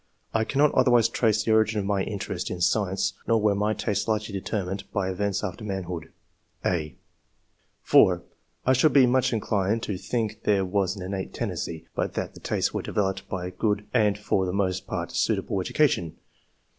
I cannot [otherwise] trace the origin of my interest in science, nor were my tastes largely determined by events after manhood." (a) (4) " I should be much inclined to think there was an innate tendency, but that the tastes were developed by a good and for the most part suitable education.